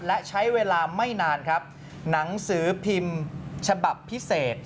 และใช้เวลาไม่นานครับหนังสือพิมพ์ฉบับพิเศษ